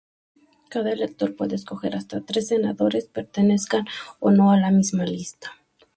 Cada elector puede escoger hasta tres senadores, pertenezcan o no a la misma lista.